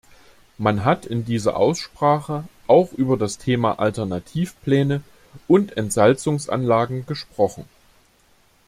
Man hat in dieser Aussprache auch über das Thema Alternativpläne und Entsalzungsanlagen gesprochen.